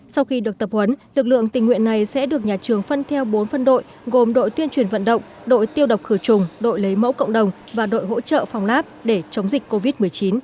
sau khi được tập huấn lực lượng tình nguyện này sẽ được nhà trường phân theo bốn phân đội gồm đội tuyên truyền vận động đội tiêu độc khử trùng đội lấy mẫu cộng đồng và đội hỗ trợ phòng láp để chống dịch covid một mươi chín